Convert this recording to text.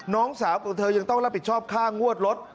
น้องสาวของเธอยังต้องรับผิดชอบค่างวดรถ